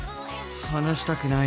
放したくない。